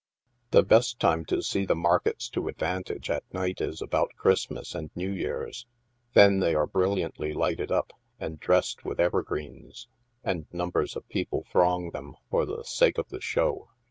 The best time to see the markets to advantage, at night, is about Christmas and New Years. Then they are brilliantly lighted up, and dressed with evergreens, and numbers of people throng them for the sake of the show.